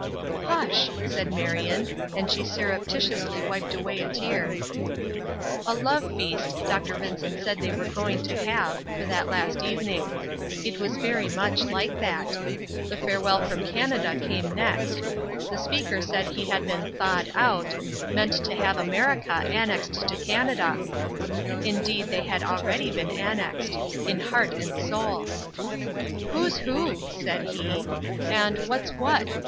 "Hush!" said Marion, and she surreptitiously wiped away a tear. "A love feast," Dr. Vincent said they were going to have, for that last evening; it was very much like that. The farewell from Canada came next; the speaker said he had been "thawed out," meant to have America annexed to Canada! Indeed they had already been annexed; in heart and soul! "Who's who?" said he, and "what's what?